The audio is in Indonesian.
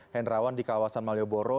hendrawan di kawasan malioboro